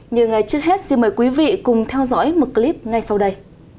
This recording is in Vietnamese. như ngày trước hết xin mời quý vị cùng theo dõi một clip ngay sau đây